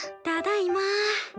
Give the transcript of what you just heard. ただいま。